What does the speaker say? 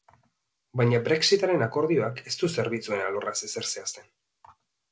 Baina brexitaren akordioak ez du zerbitzuen alorraz ezer zehazten.